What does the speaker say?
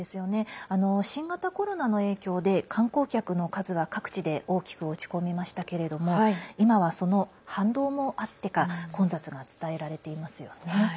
新型コロナの影響で観光客の数は、各地で大きく落ち込みましたけれども今は、その反動もあってか混雑が伝えられていますよね。